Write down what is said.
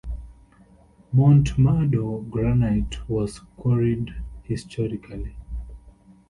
Mont Mado granite was quarried historically.